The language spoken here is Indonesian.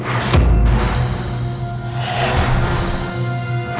aku mau ke rumah